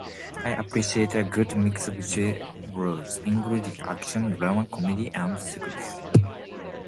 I appreciate a good mix of genres, including action, drama, comedy, and sci-fi.